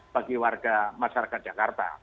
bagi warga masyarakat jakarta